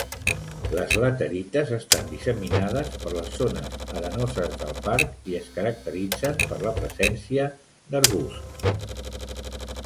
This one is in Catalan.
Les laterites estan disseminades per les zones arenoses del parc i es caracteritzen per la presència d'arbusts.